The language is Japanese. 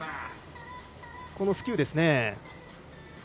このスキューですね。